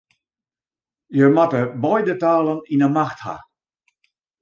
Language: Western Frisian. Je moatte beide talen yn 'e macht ha.